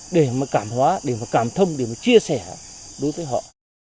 để mà cảm hóa để mà cảm thông để mà chia sẻ đối với họ